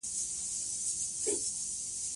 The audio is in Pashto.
زده کړه ښځه د عاید سرچینې زیاتوي.